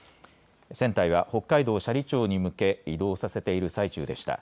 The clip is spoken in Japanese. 船体は北海道斜里町に向け移動させている最中でした。